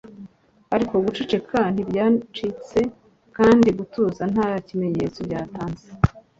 ariko guceceka ntibyacitse, kandi gutuza nta kimenyetso byatanze